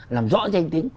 làm rõ danh tính